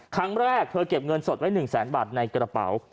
ครั้งแรกเธอเก็บเงินสดไว้๑แสนบาทในกระเป๋า